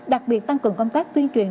đặc biệt tăng cường công tác tuyên truyền